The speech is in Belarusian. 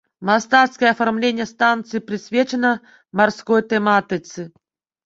Мастацкае афармленне станцыі прысвечана марской тэматыцы.